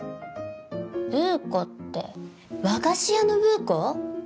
ブー子って和菓子屋のブー子？